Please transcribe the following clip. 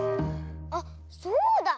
あっそうだ。